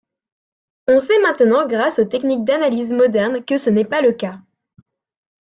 On sait maintenant grâce aux techniques d'analyse modernes que ce n'est pas le cas.